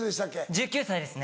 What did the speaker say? １９歳ですね。